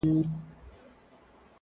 اول به کښېنوو د علم بې شماره وني,